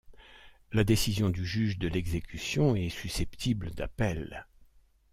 La décision du juge de l'exécution est susceptible d'appel.